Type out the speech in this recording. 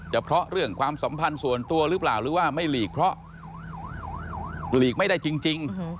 เพราะเรื่องความสัมพันธ์ส่วนตัวหรือเปล่าหรือว่าไม่หลีกเพราะหลีกไม่ได้จริง